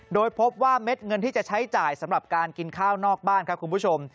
โดยพบว่าเม็ดเงินที่จะใช้จ่ายสำหรับการกินข้าวนอกบ้านครับคุณผู้ชม